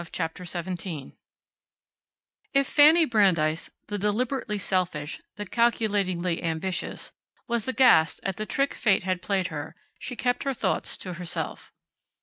CHAPTER SEVENTEEN If Fanny Brandeis, the deliberately selfish, the calculatingly ambitious, was aghast at the trick fate had played her, she kept her thoughts to herself.